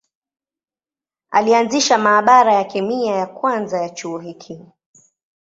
Alianzisha maabara ya kemia ya kwanza ya chuo hiki.